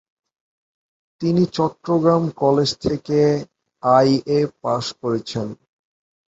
তিনি চট্টগ্রাম কলেজ থেকে IA pass করেছেন।